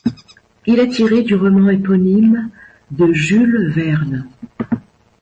Il est tiré du roman éponyme de Jules Verne.